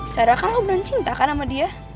secara kan lo bener bener cinta kan sama dia